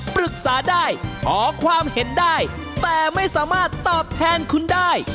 ปรึกษาได้ขอความเห็นได้แต่ไม่สามารถตอบแทนคุณได้